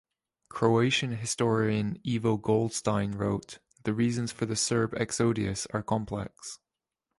Croatian historian Ivo Goldstein wrote, The reasons for the Serb exodus are complex.